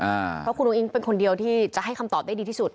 เพราะคุณอุ้งเป็นคนเดียวที่จะให้คำตอบได้ดีที่สุด